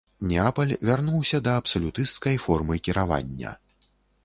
Неапаль вярнуўся да абсалютысцкай формы кіравання.